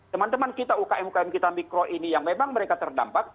teman teman kita ukm ukm kita mikro ini yang memang mereka terdampak